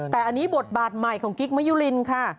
แต่อันนี้บทบาทใหม่ของกิ๊กมะยุลินค่ะ